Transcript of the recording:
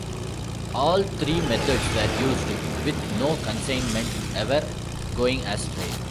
All three methods were used; with no consignment ever going astray.